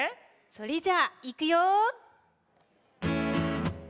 それじゃあいくよ。